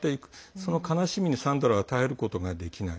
その悲しみにサンドラは耐えることができない。